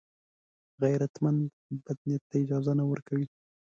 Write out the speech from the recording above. غیرتمند بد نیت ته اجازه نه ورکوي